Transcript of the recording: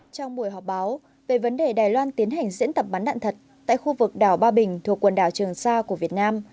trong buổi họp báo về vấn đề đài loan tiến hành diễn tập bắn đạn thật tại khu vực đảo ba bình thuộc quần đảo trường sa của việt nam